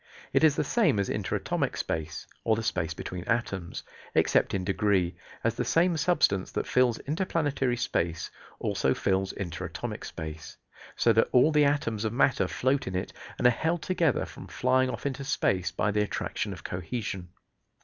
It is the same as interatomic space, or the space between atoms, except in degree, as the same substance that fills interplanetary space also fills interatomic space, so that all the atoms of matter float in it and are held together from flying off into space by the attraction of cohesion.